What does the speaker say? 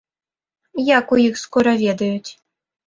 Як у іх скора ведаюць.